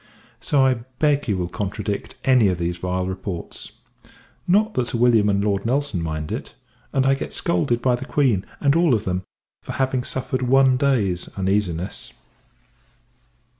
So I beg you will contradict any of these vile reports. Not that Sir W. and Lord N. mind it; and I get scolded by the Queen, and all of them, for having suffered one day's uneasiness.